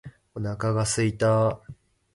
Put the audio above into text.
お腹が空いた。